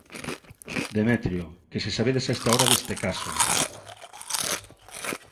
Demetrio, que se sabedes a esta hora deste caso?